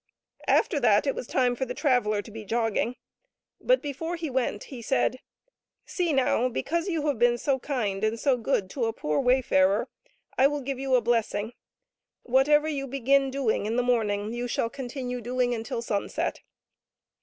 After that it was time for the traveller to be jogging; but before he went he said, " See, now, because you have been so kind and so good to a poor wayfarer, I will give you a blessing ; whatever you begin doing this morning, you shall continue doing till sunset."